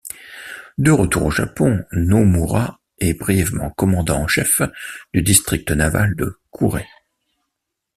De retour au Japon, Nomura est brièvement commandant-en-chef du district naval de Kure.